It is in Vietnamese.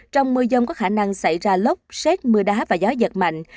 trong mưa dông có khả năng xảy ra lốc xét mưa đá và gió giật mạnh